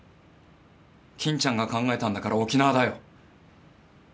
金ちゃんが考えたんだから沖縄だよ。